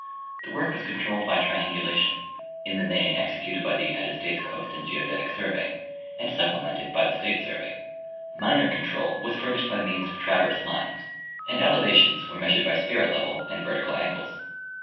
The work Avas con trolled by triangulation, in the main executed by the United States Coast and Geodetic survey and su]3plemented by the state survey. Minor control was furnished by means of traverse lines, and elevations were measured by spirit level and vertical angles.